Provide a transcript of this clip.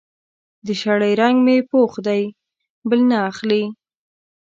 د شړۍ رنګ مې پوخ دی؛ بل نه اخلي.